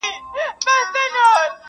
چي یو ځل مي په لحد کي زړګی ښاد کي٫